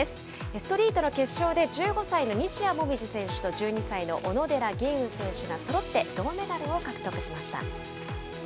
ストリートの決勝で、１５歳の西矢椛選手と、１２歳の小野寺吟雲選手がそろって銅メダルを獲得しました。